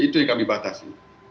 itu yang kami batasi